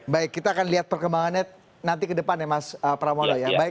baik kita akan lihat perkembangannya nanti ke depan ya mas pramono ya